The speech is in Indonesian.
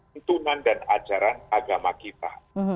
tuntunan dan ajaran agama kita